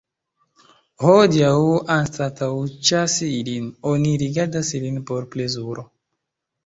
Hodiaŭ, anstataŭ ĉasi ilin, oni rigardas ilin por plezuro.